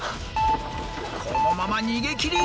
このまま逃げ切り！